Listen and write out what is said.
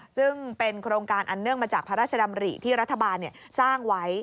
ซึ่งเป็นโครงการอันเนื่องมาจากพระราชดำริที่รัฐบาลสร้างไว้